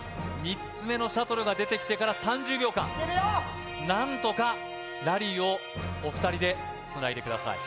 ３つ目のシャトルが出てきてから３０秒間何とかラリーをお二人でつないでください